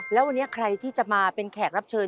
แล้ววันนี้ใครที่จะมาเป็นแขกรับเชิญ